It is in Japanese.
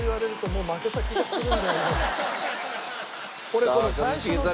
もう負けた気がする。